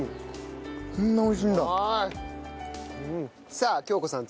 さあ京子さん